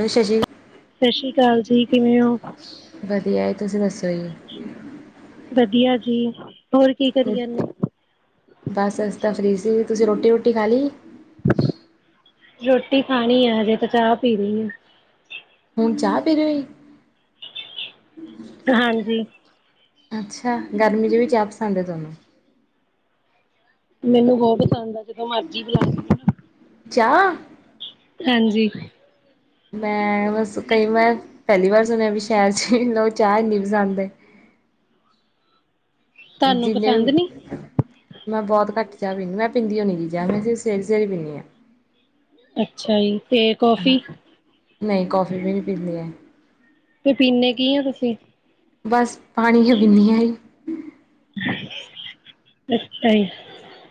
ਸਤਿ ਸ਼੍ਰੀ ਸਤਿ ਸ੍ਰੀ ਅਕਾਲ ਜੀ। ਕਿਵੇਂ ਹੋ? ਤੇ ਆਏ ਤੁਸੀ ਦਸੌ ਈ। ਵਧੀਆ ਜੀ। ਹੋਰ ਕੀ ਕਰੀ ਜਾਂਦੇ? ਬਸ ਅਸੀ ਤਾਂ ਫ੍ਰੀ ਸੀ। ਤੁਸੀਂ ਰੋਟੀ-ਰੁਟੀ ਖਾ ਲਈਏ? [inaudible] ਰੋਟੀ ਖਾਣੀ ਹੈ ਹਜੇ ਤੇ ਚਾਹ ਪੀ ਰਹੀ ਆਂ। ਹੁਣ ਚਾਹ ਪੀ ਰੇ ਹੋ ਈ? ਹਾਂਜੀ। ਅੱਛਾ ਗਰਮੀ ਚ ਵੀ ਚਾਹ ਪਸੰਦ ਹੈ ਤੁਹਾਨੂੰ? ਮੈਨੂੰ ਬਹੁਤ ਪਸੰਦ ਆ। ਜਦੋਂ ਮਰਜੀ ਬੁਲਾਲੌ ਮੌਂਨੁਂ। ਚਾ? ਹਾਂਜੀ। ਮੈਂ ਬਸ ਕਈ ਮੈਂ ਪਹਿਲੀ ਵਾਰ ਸੁਣਿਆ ਵੀ ਸ਼ਹਿਰ ਚ ਲੋ ਚਾਹ ਇਨੀ ਪਸੰਦ ਹੈ। ਤੁਹਾਨੂੰ ਜਿੰਨੇ ਪਸੰਦ ਨੀ? ਵੀ, ਮੈਂ ਬਹੁਤ ਘੱਟ ਚਾ ਵੀ ਮੈਂ ਪੀਂਦੀਯੌ ਮੇਰੀ ਜਾਂ, ਮੈਂ ਤੇ ਸਵੇਰੇ-ਸਵੇਰੇ ਪੀਨੀ ਹਾਂ। ਅੱਛਾ ਜੀ, ਤੇ ਕੌਫੀ? ਹਾਂ। ਨਹੀਂ ਕੌਫੀ ਵੀ ਨਹੀਂ ਪੀਂਦੀ ਹੈ ਤੇ ਪੀੇਨੇ ਕੀ ਹੋ ਤੁਸੀਂ? ਬਸ, ਪਾਣੀ ਹੀ ਪੀਨੀ ਆਈ। ਅੱਛਾ ਹੀ।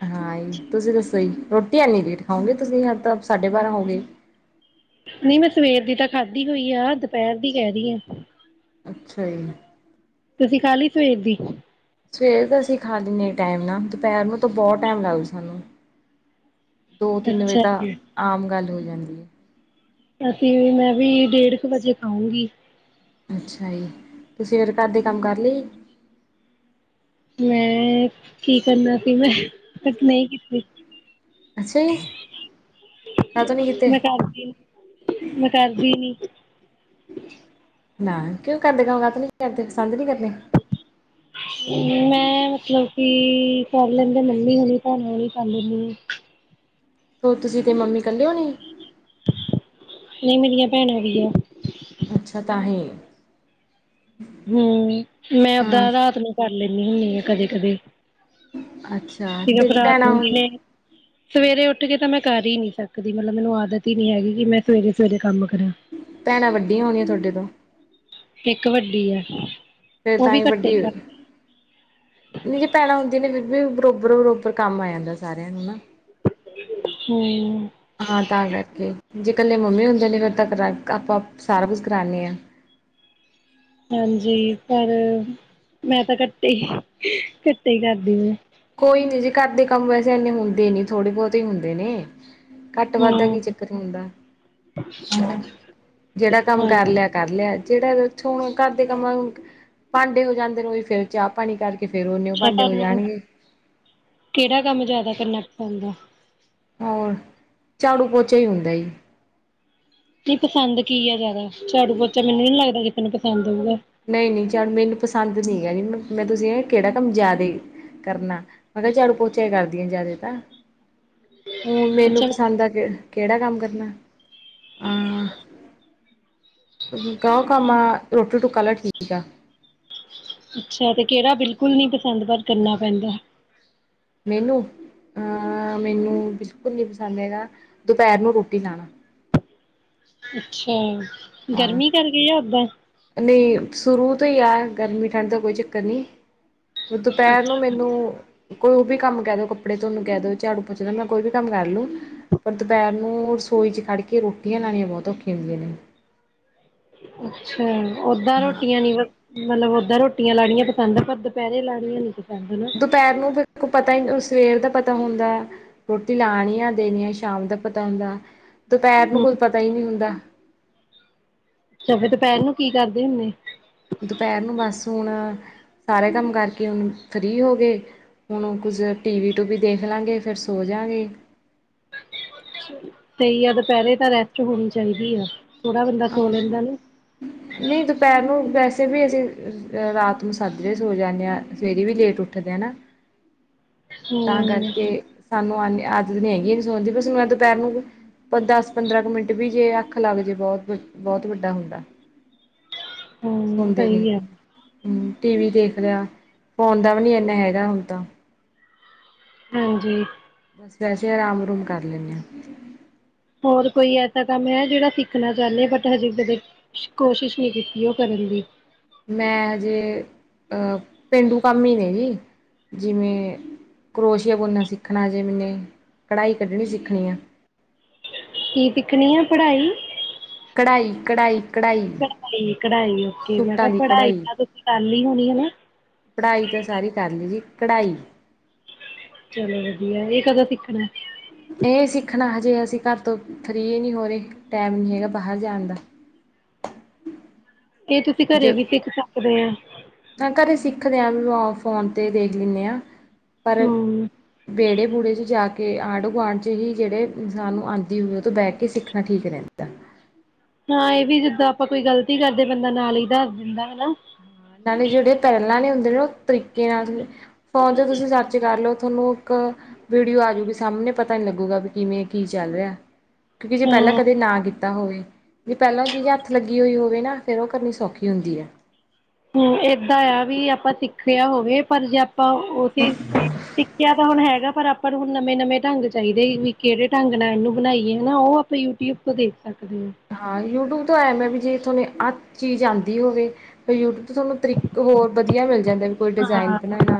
ਹਾਂਜੀ, ਤੁਸੀਂ ਦੱਸੋ ਜੀ? ਰੋਟੀ ਐਨੀ ਲੇਟ ਖਾਂਓਗੇ ਤੁਸੀਂ ਹ ਤਾਂ ਸਾਢੇ ਬਾਰਾਂ ਹੋਗੇਏ। ਨਹੀਂ ਮੈਂ ਸਵੇਰ ਦੀ ਤਾਂ ਖਾਧੀ ਹੋਈ ਆ, ਦੁਪਹਿਰ ਦੀ ਕਹਿ ਰਹੀ ਆਂ। ਅੱਛਾ ਜੀ। ਤੁਸੀਂ ਖਾ ਲਈ ਸਵੇਰ ਦੀ? ਸਵੇਰ ਤਾਂ ਅਸੀਂ ਖਾ ਲੇਨੇ ਟਾਈਮ ਨਾਲ, ਦੁਪਹਿਰ ਨੂੰ ਤਾਂ ਬਹੁਤ ਟਾਈਮ ਲੱਗ ਸਾਨੂੰ। ਦੋ-ਤਿੰਨ ਵਜੇ ਅੱਛਾ ਤਾਂ ਜੀ। ਆਮ ਗੱਲ ਹੋਈ। ਜਾਂਦੀ ਏ। ਯਾ ਫਿਰ, ਮੈਂ ਵੀ ਡੇਢ ਕੁ ਵਜੇ ਖਾਊਂਗੀ। ਅੱਛਾ ਈ, ਤੁਸੀਂ ਫਿਰ ਘਰ ਦੇ ਕੰਮ ਕਰ ਲਈਏ? ਮੈਂ ਕੀ ਕਰਨਾ ਸੀ, ਮੈਂ ਤਕ ਨਹੀਂ ਕੀਤੀ। ਅੱਛਾ ਜੀ ਕਾਹਤੋਂ ਨਹੀਂ ਕੀਤੇ ਮੈਂ ਕਾਰਦੀ, [unintelligible] ਮੈਂ ਕਾਰਦੀ ਨੀ। [inaudible] ਨਾ ਕਿਉਂ, ਕਰਦੇ ਕੰਮ [unintelligible] ਨੀ ਕਰਦੇ, ਪਸੰਦ ਨਹੀਂ ਕਰਨੇ? ਹੂੰ ਮੈਂ ਮਤਲਬ ਕਿ ਪ੍ਰਬਲਮ ਦੇ ਮੰਮੀ ਹ ਤੁਹਾਨੂੰ ਹੀ ਕਰ ਲੇਣੀ ਹੋ ਤੁਸੀਂ ਤੇ ਮੰਮੀ ਕੱਲਿਓ ਜੀ ਨਹੀਂ ਮੇਰੀਆਂ ਭੈਣਾਂ ਵੀ ਆ ਅੱਛਾ ਤਾਂ ਹੇ ਹੂੰ ਮੈਂ ਓਦਾਂ ਰਾਤ ਨੂੰ ਕਰ ਲੈਂਦੀ ਹੁੰਦੀ ਆ ਕਦੇ ਕਦੇ ਅੱਛਾ ਤੇ ਸਿਰਫ਼ ਰਾਤ ਭੈਣਾਂ ਨੂੰ ਹੁਣ ਸਵੇਰੇ ਉੱਠ ਕੇ ਤਾਂ ਮੈਂ ਕਰ ਹੀ ਨੀ ਸਕਦੀ ਮਤਲਬ ਮੈਨੂੰ ਆਦਤ ਹੀ ਨ ਨਹੀਂ ਹੈਗੀ ਕਿ ਮੈਂ ਸਵੇਰੇ ਸਵੇਰੇ ਕੰਮ ਕਰਾਂ ਭੈਣਾਂ ਵੱਡੀਆਂ ਹੋਣੀਆਂ ਤੁਹਾਡੇ ਤੋਂ ਇੱਕ ਵੱਡੀ ਹੈ। ਫੇਰ ਤਾਂ ਹੀ ਵੱਡੀ ਹੋਈ ਜੀ ਭੈਣਾਂ ਹੁੰਦੀਆਂ ਨੇ ਫਿਰ ਵੀ ਬਰੋਬਰ ਬਰੋਬਰ ਕੰਮ ਆ ਜਾਂਦਾ ਸਾਰਿਆਂ ਨੂੰ ਨਾ ਹੂੰ ਹਾਂ ਤਾਂ ਕਰਕੇ ਜੇ ਇਕੱਲੇ ਮੰਮੀ ਹੁੰਦੇ ਨੇ ਫਿਰ ਆਪਾਂ ਸਾਰਾ ਕੁਛ ਕਰਾਉਦੇ ਆ ਹਾਂਜੀ ਪਰ ਮੈਂ ਤਾਂ ਘੱਟ ਕਰ ਵੀ ਕੋਈ ਨੀ ਜੀ ਘਰਦੇ ਕੰਮ ਵੈਸੇ ਇਨੇ ਹੁੰਦੇ ਨੀ ਥੋੜੇ ਬਹੁਤੇ ਹੁੰਦੇ ਨੇ ਘੱਟ ਵੱਧਦਾ ਹੂੰ ਕੀ ਚੱਕਰ ਹੁੰਦਾ, ਜਿਹੜਾ ਕੰਮ ਹਾਂ ਕਰ ਲਿਆ ਕਰ ਲਿਆ ਜਿਹੜਾ ਉਥ ਹੁਣ ਘਰ ਦੇ ਕੰਮਾਂ ਭਾਂਡੇ ਹੋ ਜਾਂਦੇ ਰੋ ਫੇਰ ਚਾਹ ਪਾਣੀ ਕਰਕੇ ਫ਼ੇਰ ਉਹਨੇ ਉਹ ਅੱਛਾ ਭਾਂਡੇ ਹੋ ਤੁਹਾਨੂੰ ਜਾਣਗੇ ਕਿਹੜਾ ਕੰਮ ਜਿਆਦਾ ਕਰਨਾ ਪੈਂਦਾ। ਹੋਰ ਝਾੜੂ ਪੋਚਾ ਹੀ ਹੁੰਦਾ ਜੀ। ਨਹੀਂ ਪਸੰਦ ਕੀ ਆ ਜ਼ਿਆਦਾ ਝਾੜੂ ਪੋਚਾ ਮੈਨੂੰ ਨੀ ਲੱਗਦਾ ਕਿਸੇ ਨੂੰ ਪਸੰਦ ਹੋਊਗਾ। ਨਹੀਂ ਨਹੀਂ ਝਾੜੂ ਮੈਨੂੰ ਪਸੰਦ ਨੀ ਹੈ ਮੈਂ ਤੁਸੀਂ ਕਿਹੜਾ ਕੰਮ ਜਿਆਦੇ ਕਰਨਾ ਮੈਂ ਕਿਹਾ ਝਾੜੂ ਪੋਚਿਆ ਹੀ ਕਰਦੀ ਹ ਜ਼ਿਆਦੇ ਤਾਂ। ਹ ਮੈਨੂੰ ਅੱਛਾ ਪਸੰਦ ਆ ਕਿ ਕਿਹੜਾ ਕੰਮ ਕਰਨਾ ਆਂ। ਕਹੋ ਕੰਮ ਆ ਰੋਟੀ ਟੁਕਾ ਲਾ ਠੀਕ ਆ। ਅੱਛਾ ਤੇ ਕਿਹੜਾ ਬਿਲਕੁਲ ਨੀ ਪਸੰਦ ਪਰ ਕਰਨਾ ਪੈਂਦਾ। ਮੈਨੂੰ ਅਹ ਮੈਨੂੰ ਬਿਲਕੁਲ ਨੀ ਪਸੰਦ ਹੈਗਾ ਦੁਪਹਿਰ ਨੂੰ ਰੋਟੀ ਲਾਣਾ। ਅੱਛਾ। ਹਾਂ ਗਰਮੀ ਕਰ ਗਈ ਆ ਉਦਾ ਨਹੀਂ ਸ਼ੁਰੂ ਤੋਂ ਹੀ ਆ ਗਰਮੀ ਠੰਡ ਦਾ ਕੋਈ ਚੱਕਰ ਨਹੀਂ। ਦੁਪਹਿਰ ਨੂੰ ਮੈਨੂੰ ਕੋਈ ਉਹ ਵੀ ਕੰਮ ਕਹਿ ਦਓ ਕੱਪੜੇ ਤੁਹਾਨੂੰ ਕਹਿ ਦਓ ਝਾੜੂ ਪੁੱਛਦਾ ਮੈਂ ਕੋਈ ਵੀ ਕੰਮ ਕਰ ਲਉ ਪਰ ਦੁਪਹਿਰ ਨੂੰ ਰਸੋਈ ਚ ਖੜ੍ਹ ਕੇ ਰੋਟੀਆਂ ਲਾਉਣੀਆਂ ਬਹੁਤ ਔਖੀਆਂ ਹੁੰਦੀਆਂ ਨੇ ਅੱਛਾ ਓਦਾਂ ਹਾਂ ਰੋਟੀਆਂ ਨੀ ਬ ਮਤਲਬ ਓਦਾਂ ਰੋਟੀਆਂ ਲਾਉਣੀਆਂ ਪਸੰਦ ਆ ਪਰ ਦੁਪਹਿਰੇ ਲਾਣੀਆਂ ਨੀ ਪਸੰਦ ਨਾ। ਦੁਪਹਿਰ ਨੂੰ ਬ ਕੋਲ ਪਤਾ ਹੀ ਨਹੀਂ ਉਸ ਸਵੇਰ ਦਾ ਪਤਾ ਹੁੰਦਾ ਰੋਟੀ ਲਾਣੀ ਆ ਦੇਣੀ ਆ ਸ਼ਾਮ ਦਾ ਪਤਾ ਹੁੰਦਾ। ਦੁਪਹਿਰ ਨੂੰ ਕੋਈ ਪਤਾ ਹੀ ਨਹੀਂ ਹੁੰਦਾ। ਅੱਛਾ ਫਿਰ ਦੁਪਹਿਰ ਨੂੰ ਕੀ ਕਰਦੇ ਹੁੰਦੇ। ਦੁਪਹਿਰ ਨੂੰ ਬਸ ਹੁਣ ਸਾਰੇ ਕੰਮ ਕਰਕੇ ਹੁਣ ਫ੍ਰੀ ਹੋ ਗਏ, ਹੁਣ ਕੁਝ ਟੀਵੀ ਟੂਵੀ ਦੇਖ ਲਾਂਗੇ ਫਿਰ ਸੋ ਜਾਂਗੇ। ਤੇ ਆ ਦੁਪਹਿਰੇ ਤਾਂ ਰੈਸਟ ਹੋਣੀ ਚਾਹੀਦੀ ਆ। ਥੋੜਾ ਬੰਦਾ ਹਾਂ, ਸੋ ਲੈਂਦਾ ਨਾ। ਨਹੀਂ ਦੁਪਹਿਰ ਨੂੰ ਵੈਸੇ ਵੀ ਅਸੀਂ ਰਾਤ ਨੂੰ ਸਾਜਰੇ ਸੌ ਜਾਂਨੇ ਆਂ ਸਵੇਰੇ ਵੀ ਲੇਟ ਉੱਠਦੇ ਆਂ ਨਾ। ਤਾਂ ਹੂੰ ਕਰਕੇ ਸਾਨੂੰ ਐਨੀ ਆਦਤ ਨੀ ਹੈਗੀ ਨ ਸਣਦੀ ਬਸ ਮੈਂ ਦੁਪਹਿਰ ਨੂੰ ਦਸ ਪੰਦਰਾਂ ਕੁ ਮਿੰਟ ਵੀ ਜੇ ਅੱਖ ਲੱਗ ਜੇ ਬਹੁਤ ਬਹੁਤ ਵੱਡਾ ਹੁੰਦਾ। ਹੂੰ ਸੌਦੇ ਨੇ ਸਹੀ ਐ। ਹੂੰ, ਟੀ ਵੀ ਦੇਖ ਲਿਆ ਫੋਨ ਦਾ ਵੀ ਨੀ ਇੰਨਾ ਹੈਗਾ ਹੁਣ ਤਾਂ। ਹਾਂਜੀ। ਬਸ ਵੈਸੇ ਆਰਾਮ ਆਰੂਮ ਕਰ ਲੈਂਨੇ ਆਂ। ਹੋਰ ਕੋਈ ਐਸਾ ਕੰਮ ਹੈ ਜਿਹੜਾ ਸਿੱਖਣਾ ਚਾਹਣੇ ਬਟ ਹਜੇ ਕਦੇ ਕੋਸ਼ਿਸ਼ ਨਹੀਂ ਕੀਤੀ ਉਹ ਕਰਨ ਦੀ ਮੈਂ ਹਜੇ ਪੇਂਡੂ ਕੰਮ ਹੀ ਨੇ ਜੀ ਜਿਵੇਂ ਕਰੋਸ਼ੀਆ ਬੁਣਨਾ ਸਿੱਖਣਾ ਜੇ ਮੈਨੇ ਕਢਾਈ ਕੱਢਣੀ ਸਿੱਖਣੀ ਆ। ਕੀ ਸਿਖਣੀ ਆ ਪੜ੍ਹਾਈ? ਕਢਾਈ ਕਢਾਈ। ਕਢਾਈ ਕਢਾਈ ਓਕੇ ਮੈਂ ਕਿਹਾ ਦੀ ਪੜਾਈ ਕੜਾਈ ਤਾਂ ਤੁਸੀਂ ਕਰ ਲੀ ਹੋਣੀ ਹਨਾ। ਪੜ੍ਹਾਈ ਤਾਂ ਸਾਰੀ ਕਰ ਲਈ ਜੀ ਕਢਾਈ ਚਲੋ ਵਧੀਆ, ਇਹ ਕਦੋਂ ਸਿੱਖਣਾ? ਇਹ ਸਿੱਖਣਾ ਹਜੇ ਅਸੀਂ ਘਰ ਤੋਂ ਫਰੀ ਈ ਨੀ ਹੋ ਰਹੇ, ਟਾਈਮ ਨੀ ਹੈਗਾ ਬਾਹਰ ਜਾਣ ਦਾ। ਇਹ ਤੁਸੀਂ ਘਰੇ ਜ ਵੀ ਸਿੱਖ ਸਕਦੇ ਆਂ। ਸਿਖਦੇ ਆ ਵੀ ਫੋਨ ਤੇ ਦੇਖ ਲੈਂਨੇ ਆ। ਪਰ ਹਮ ਵਿਹੜੇ ਬੂਹੜੇ ਚ ਜਾ ਕੇ ਕਿ ਆਂਢ-ਗੁਆਂਢ ਚ ਜੀ ਜਿਹੜੇ ਇਨਸਾਨ ਨੂੰ ਆਂਦੀ ਹੋਵੇ, ਉਹ ਤੋਂ ਬਹਿ ਕੇ ਸਿੱਖਣਾ ਠੀਕ ਰਹਿੰਦਾ। ਹਾਂ, ਇਹ ਵੀ ਜਿੱਦਾਂ ਆਪਾਂ ਕੋਈ ਗਲਤੀ ਕਰਦੇ ਬੰਦਾ ਨਾਲ ਹੀ ਦੱਸ ਦਿੰਦਾ ਹਨਾ। ਨਾਲੇ ਜਿਹੜੇ ਪਹਿਲਾਂ ਆਲੇ ਹੁੰਦੇ ਨੇ, ਉਹ ਤਰੀਕੇ ਨਾਲ ਫੋਨ ਤੇ ਤੁਸੀਂ ਸਰਚ ਕਰਲੋ ਤੁਹਾਨੂੰ ਇੱਕ ਵੀਡੀਓ ਆਜੂਗੀ ਸਾਹਮਣੇ ਪਤਾ ਨੀ ਲੱਗੂਗਾ ਵੀ ਕਿਵੇਂ ਕੀ ਚੱਲ ਰਿਹਾ। ਕਿਉਂਕਿ ਜੇ ਪਹਿਲਾਂ ਹਾਂ ਕਦੇ ਨਾ ਕੀਤ ਕੀਤਾ ਹੋਵੇ, ਜਿਹੜੀ ਪਹਿਲਾਂ ਚੀਜ਼ ਹੱਥ ਲੱਗੀ ਹੋਈ ਹੋਵੇ ਨਾ ਫੇਰ ਉਹ ਕਰਨੀ ਸੌਖੀ ਹੁੰਦੀ ਆ। ਹੂੰ ਏਦਾਂ ਆ ਵੀ ਆਪਾਂ ਸਿੱਖਿਆ ਹੋਵੇ, ਪਰ ਜੇ ਆਪਾਂ ਉਹੀ ਸਿੱਖਿਆ ਤਾਂ ਹੁਣ ਹੈਗਾ ਪਰ ਆਪਾਂ ਨੂੰ ਹੁਣ ਨਵੇਂ- ਨਵੇਂ ਢੰਗ ਚਾਹੀਦੇ ਵੀ ਕਿਹੜੇ ਢੰਗ ਨਾਲ ਇਹਨੂੰ ਬਣਾਈਏ, ਹਨਾ ਉਹ ਆਪਾਂ ਯੂਟਿਊਬ ਤੋਂ ਦੇਖ ਸਕਦੇ। ਹਾਂ ਯੂਟਿਊਬ ਹੁਣ ਐਂ ਵੀ ਜੇ ਤੁਹਾਨੂੰ ਆਹ ਚੀਜ਼ ਆਂਦੀ ਹੋਵੇ ਯੂਟਿਊਬ ਤੁਹਾਨੂੰ ਤਰੀਕਾ ਹੋਰ ਵਧੀਆ ਮਿਲ ਜਾਂਦਾ ਵੀ ਕੋਈ ਹਾਂ। ਡਿਜ਼ਾਇਨ ਹਾਂ ਬਣਾਣਾ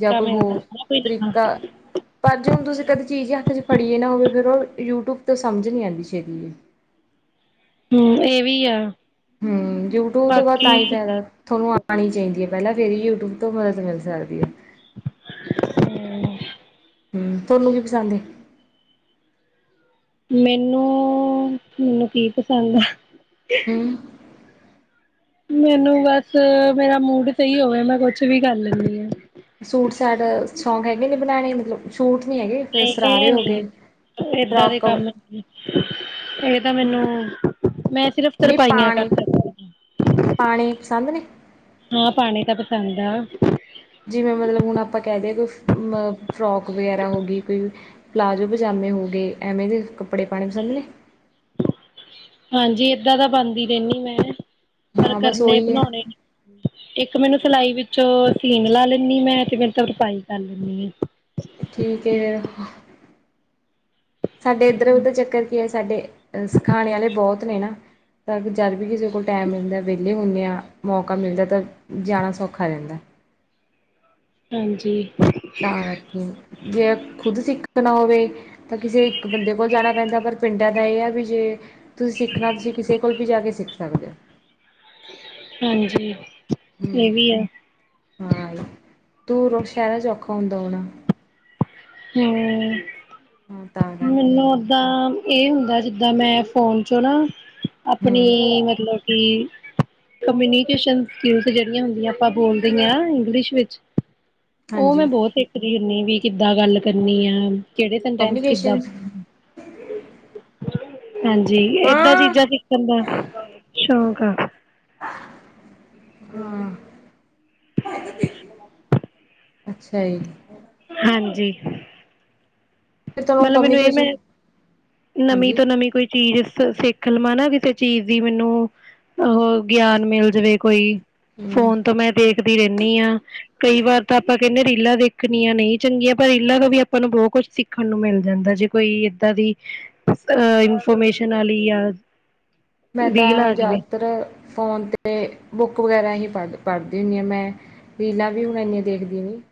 ਜਾਂ ਕੋਈ ਮਿਲਦਾ ਹੋਰ ਨਾ ਕੋਈ ਨਵਾਂ। ਤਰੀਕਾ ਪਰ ਜੇ ਹੁਣ ਤੁਸੀਂ ਕਦੇ ਚੀਜ਼ ਹੱਥ ਚ ਫੜੀਏ ਨਾ ਹੋਵੇ ਫਿਰ ਉਹ ਯੂਟਿਊਬ ਤੋਂ ਸਮਝ ਨਹੀਂ ਆਂਦੀ ਛੇਤੀ। ਹੂੰ, ਇਹ ਵੀ ਆ। ਹੂੰ, ਯੂਟਿਊਬ ਤੋਂ ਬਾਅਦ ਤਾਂ ਬਾਕੀ ਹੀ ਫਾਇਦਾ ਤੁਹਾਨੂੰ ਆਣੀ ਚਾਹੀਦੀ ਹੈ ਪਹਿਲਾਂ ਫੇਰ ਹੀ ਯੂਟਿਊਬ ਤੋਂ ਮਦਦ ਮਿਲ ਸਕਦੀ ਏ। ਹੂੰ। ਹੂੰ, ਤੁਹਾਨੂੰ ਕੀ ਪਸੰਦ ਏ। ਮੈਨੂੰ ਮੈਨੂੰ ਕੀ ਪਸੰਦ ਆ। [unintelligible] ਹਮ ਮੈਨੂੰ ਬਸ ਮੇਰਾ ਮੂਡ ਸਹੀ ਹੋਵੇ, ਮੈਂ ਕੁਛ ਵੀ ਕਰ ਲੈਂਣੀ ਹਾਂ। ਸੂਟ ਸਾਟ ਸ਼ੌਂਕ ਹੈਗੇ ਨੇ ਬਣਾਵੇ ਮਤਲਬ ਸੂਟ ਨੀ ਹੈਗੇ ਫਿਰ ਨਹੀਂ ਸਰਾਰੇ ਇਹ ਹੋ ਨਹੀਂ, ਗਏ ਏਦਾਂ ਦੇ ਫਰਾਕ ਕਵਰ ਕੰਮ ਇਹ ਤਾਂ ਮੈਨੂੰ ਮੈਂ ਸਿਰਫ ਨਹੀਂ ਤਰਪਾਈਆਂ ਕਰ ਪਾਣੇ ਸਕਦੀ ਪਾਣੇ ਪਸੰਦ ਨੇ ਹਾਂ, ਪਾਨੇ ਤਾਂ ਪਸੰਦ [unintelligible] ਜਿਵੇਂ ਮਤਲਬ ਹੁਣ ਆਪਾਂ ਕਹਿ ਦਈਏ ਅ ਫਰੋਕ ਵਗੈਰਾ ਹੋ ਗਈ, ਕੋਈ ਪਲਾਜ਼ੋ ਪਜਾਮੇ ਹੋ ਗਏ, ਐਵੇਂ ਦੇ ਕੱਪੜੇ ਪਾਉਣੇ ਪਸੰਦ ਨੇ। ਹਾਂਜੀ, ਏਦਾਂ ਦਾ ਪਾਂਦੀ ਰਹਿੰਦੀ ਮੈਂ। ਪਰ ਹਾਂ ਬਸ ਕਰਨੇ ਉਹੀ ਹੈ ਬਣਾਉਣੇ, ਇੱਕ ਮੈਨੂੰ ਸਿਲਾਈ ਵਿੱਚ ਚ ਸੀਨ ਲਾ ਲੈਂਦੀ ਮੈਂ, ਤੇ ਫਿਰ ਤਰਪਾਈ ਕਰ ਲੈਂਣੀ ਆ। ਠੀਕ ਹੈ ਫਿਰ ਸਾਡੇ ਇੱਧਰ ਉਧਰ ਚੱਕਰ ਕੀ ਸਾਡੇ ਸਿਖਾਣੇ ਵਾਲੇ ਬਹੁਤ ਨੇ ਨਾ, ਤਾਂ ਜਦ ਵੀ ਕਿਸੇ ਕੋਲ ਟਾਈਮ ਮਿਲਦਾ ਵਿਹਲੇ ਹੁੰਦੇ ਹਾਂ, ਮੌਕਾ ਮਿਲਦਾ ਤਾਂ ਜਾਣਾ ਸੌਖਾ ਰਹਿੰਦਾ। ਹਾਂਜੀ। ਤਾਂ ਕਰਕੇ ਜੇ ਖੁੱਦ ਸਿੱਖਣਾ ਹੋਵੇ ਤਾਂ ਕਿਸੇ ਇੱਕ ਬੰਦੇ ਕੋਲ ਜਾਣਾ ਪੈਂਦਾ ਪਰ ਪਿੰਡਾਂ ਦਾ ਇਹ ਆ ਬੀ ਜੇ ਤੁਸੀਂ ਸਿੱਖਣਾ ਤੁਸੀਂ ਕਿਸੇ ਕੋਲ ਵੀ ਜਾ ਕੇ ਸਿੱਖ ਸਕਦੇ ਹੋ। ਹਾਂਜੀ ਹਮ ਇਹ ਵੀ ਆ ਹਾਂ ਦੂਰ ਸ਼ਹਿਰਾਂ ਚ ਔਖਾ ਹੁੰਦਾ ਹੋਣਾ। ਹੁੰ ਹਾਂ ਤਾਂ ਕਰਕੇ ਮੈਨੂੰ ਓਦਾਂ ਇਹ ਹੁੰਦਾ ਜਿੱਦਾਂ ਮੈਂ ਫੋਨ ਚੋਂ ਨਾ ਆਪਣੀ ਹੂੰ ਮਤਲਬ ਕਿ ਕਮਿਊਨੀਕੇਸ਼ਨ ਸਕਿੱਲ ਜਿਹੜੀਆਂ ਹੁੰਦੀਆਂ ਆਪਾਂ ਬੋਲਦੇ ਹਾਂ ਇੰਗਲਿਸ਼ ਵਿੱਚ ਉਹ ਮੈਂ ਹਾਂਜੀ ਬਹੁਤ ਸਿਖਦੀ ਹੁਨੀ ਵੀ। ਕਿੱਦਾਂ ਗੱਲ ਕਰਨੀ ਆ। ਕਿਹੜੇ ਸਿਨਟੈਂਸ ਕਿਦਾਂ। ਕਮਿਊਨੀਕੇਸ਼ਨ ਹਾਂਜੀ ਏਦਾਂ ਹਾਂ ਚੀਜ਼ਾਂ ਸਿੱਖਣ ਦਾ ਸ਼ੌਕ ਹ ਹਾਂ [inaudible] ਅੱਛਾ ਜੀ ਹਾਂਜੀ ਫਿਰ ਤੁਹਾਨੂੰ ਮਤਲਬ ਮੈਨੂੰ ਇਹ ਕਮਿਊਨੀਕੇਸ਼ਨ ਮੈਂ, ਨਵੀਂ ਹਾਂਜੀ ਤੋਂ ਨਵੀਂ ਕੋਈ ਚੀਜ਼ ਸਿੱਖ ਲਵਾਂ ਨਾ ਕਿਸੇ ਚੀਜ਼ ਦੀ ਮੈਨੂੰ ਉਹ ਗਿਆਨ ਮਿਲ ਜਾਵੇ ਕੋਈ ਹੂੰ ਫੋਨ ਤੋਂ ਮੈਂ ਦੇਖ ਖਦੀ ਰਹਿੰਦੀ ਹਾਂ। ਕਈ ਵਾਰ ਤਾਂ ਆਪਾਂ ਕਹਿੰਦੇ ਰੀਲਾਂ ਦੇਖਣੀਆਂ ਨਹੀਂ ਚੰਗੀਆਂ ਪਰ ਰੀਲਾਂ ਤੋ ਵੀ ਆਪਾਂ ਨੂੰ ਬਹੁਤ ਕੁਛ ਸਿੱਖ ਖਣ ਨੂੰ ਮਿਲ ਜਾਂਦਾ ਜੇ ਕੋਈ ਏਦਾਂ ਦੀ ਇਨਫੋਰਮੇਸ਼ਨ ਵਾਲੀ ਮੈਂ ਰੀਲ ਤਾਂ ਆ ਜਾਵੇ ਜ਼ਿਆਦਾਤਰ ਫੋਨ ਤੇ ਬੁੱਕ ਵਗੈਰਾ ਪੜ ਪੜ੍ਹਦੀ ਹੁੰਨੀ ਹਾਂ ਮੈਂ, ਰੀਲਾਂ ਵੀ ਹੁਣ ਇੰਨੀ ਦੇਖਦੀ ਨੀ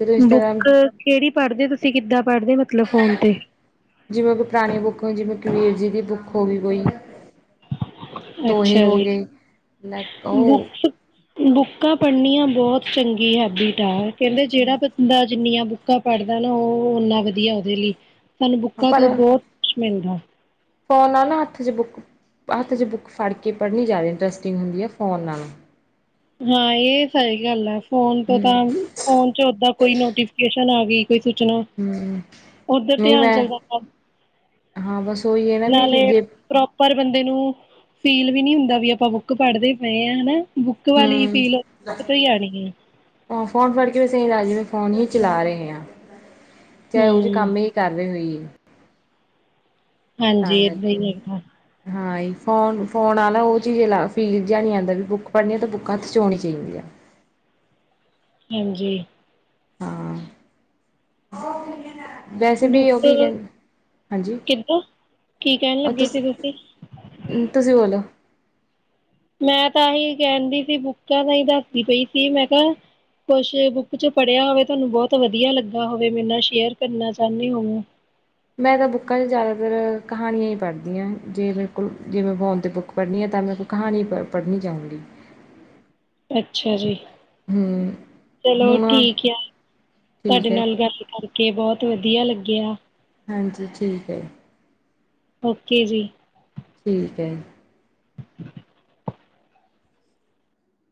ਜਦੋਂ ਇੰਸਟਾਗ੍ਰਾਮ ਬੁੱਕ ਕਿਹੜੀ ਪੜ੍ਹਦੇ ਤੁਸੀਂ ਕਿੱਦਾਂ ਪੜ੍ਹਦੇ ਮਤਲਬ ਫੋਨ ਤੇ ਜਿਵੇਂ ਕਿ ਪੁਰਾਣੀਆਂ ਬੁੱਕਾਂ ਜਿਵੇਂ ਕਿ ਵੀਰ ਜੀ ਬੁਕ ਹੋ ਗੀ ਕੋਈ ਦੋਹੇ ਅੱਛਾ ਹੋ ਜੀ ਗਏ, ਲ ਉਹ ਬੁੱਕਸ ਬੁੱਕਾਂ ਪੜ੍ਹਨੀਆਂ ਬਹੁਤ ਚੰਗੀ ਹੈਬਿਟ ਹੈ। ਕਹਿੰਦੇ ਜਿਹੜਾ ਬੰਦਾ ਜਿੰਨੀਆਂ ਕਾ ਪੜ੍ਹਦਾ ਨਾ ਉਹ ਓਨਾ ਵਧੀਆ ਉਹਦੇ ਲਈ ਸਾਨੂੰ ਬੁੱਕਾਂ ਤੋਂ ਬਹੁਤ ਕੁਛ ਮਿਲਦਾ ਫ਼ੋਨ ਨਾਲ ਨਾ ਹੱਥ 'ਚ ਬੁੱਕ ਹੱਥ ' ਬੁੱਕ ਫੜ ਕੇ ਪੜ੍ਹਨੀ ਜ਼ਿਆਦਾ ਇੰਟਰਸਟਿੰਗ ਹੁੰਦੀ ਹੈ ਫੋਨ ਨਾਲੋਂ ਹਾਂ ਇਹ ਸਹੀ ਗੱਲ ਆ ਫੋਨ ਤੋਂ ਹੂੰ ਤਾਂ ਫੋਨ ਚ ਓਦਾਂ ਕੋਈ ਨੋਟੀਫਿਕੇਸ਼ਨ ਆ ਗਈ ਕੋਈ ਸੋਚਣਾ, ਹੂੰ ਓਧਰ ਨਹੀਂ ਧਿਆਨ ਮੈਂ ਚੱਲਦਾ ਹਾਂ ਬਸ ਉਹੀ ਹੈ ਨਾ ਵੀ ਨਾਲੇ ਜੇ ਪ੍ਰੋਪਰ ਬੰਦੇ ਨੂੰ ਫੀਲ ਵੀ ਨਹੀਂ ਹੁੰਦਾ ਵੀ ਆਪਾਂ ਬੁੱਕ ਪੜ੍ਹਦੇ ਪਏ ਹਾਂ ਹਨਾ। ਬੁੱਕ ਵਾਲੀ ਫੀਲ, ਬੁਕ ਤੋਂ ਹੀ ਆਣੀ ਏ। ਹ ਫੋਨ ਫੜ ਕੇ ਵੈਸੇ ਲੈ ਫੋਨ ਹੀ ਚਲਾ ਰਹੇ ਹਾਂ। ਚਾਹੇ ਉਹ ਚ ਹਮ ਕੰਮ ਹੀ ਕਰ ਰਹੇ ਹੋਈਏ ਹ [inaudible] ਹਾਂਜੀ, ਏਦਾਂ ਹੀ ਹੈਗਾ। ਹਾਂ ਫੋ ਫੋਨ ਵਾਲਾ ਉਹ ਚੀਜ਼ ਫੀਲ ਜਹਾ ਨਹੀਂ ਆਉਂਦਾ, ਵੀ ਬੁੱਕ ਪੜ੍ਹਨੀ ਆ ਤੇ ਬੁੱਕਾਂ ਹੱਥ ਚ ਹੋਣੀ ਚਾਹੀਦੀ ਆਂ। ਹਾਂਜੀ ਹਾਂ ਵੈਸੇ ਵੀ ਉਹ ਕੀ ਬੁੱਕ ਕਹਿੰ ਹਾਂਜੀ ਕਿੱਦਾਂ ਕੀ ਕਹਿਣ ਤੁ ਲੱਗੇ ਸੀ ਤੁਸੀਂ ਤੁਸੀਂ ਬੋਲੋ। ਮੈਂ ਤਾਂਹੀ ਕਹਿੰਦੀ ਸੀ ਬੁੱਕਾਂ ਦਾ ਹੀ ਦੱਸਦੀ ਪਈ ਸੀ ਮੈਂ ਕਿਹਾ ਕੁਛ ਬੁੱਕ ਚ ਪੜ੍ਹਿਆ ਹੋਵੇ ਤੁਹਾਨੂੰ ਬਹੁਤ ਵਧੀਆ ਲੱਗਾ ਹੋਵੇ ਮੇਰੇ ਨਾਲ ਸ਼ੇਅਰ ਕਰਨਾ ਚਾਹਣੇ ਹੋਵੋ। ਮੈਂ ਤਾਂ ਬੁੱਕਾਂ ਚ ਜ਼ਿਆਦਾਤਰ ਕਹਾਣੀਆਂ ਈ ਪੜ੍ਹਦੀ ਆਂ, ਜੇ ਮੇਰੇ ਕੋਲ ਜੇ ਮੈਂ ਫੋਨ ਤੇ ਬੁੱਕ ਪੜ੍ਹਨੀ ਹਾਂ ਤਾਂ ਮੇਰੇ ਕੋਲ ਕਹਾਣੀ ਪ ਪੜ੍ਹਨੀ ਚਾਹੂੰਗੀ। ਅੱਛਾ ਜੀ। ਹੂੰ ਚਲੋ ਹੁਣ ਠੀਕ ਆ ਤੁਹਾਡੇ ਠੀਕ ਹੈ ਨਾਲ ਗੱਲ ਕਰ ਕੇ ਬਹੁਤ ਵਧੀਆ ਲੱਗਿਆ। ਹਾਂਜੀ ਠੀਕ ਐ। ਓਕੇ ਜੀ। ਠੀਕ ਐ। [unintelligible]